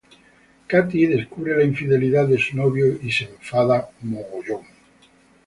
Cathy descubre la infidelidad de su novio y se enfada.